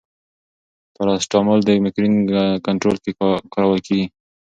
پاراسټامول د مېګرین کنټرول کې کارول کېږي.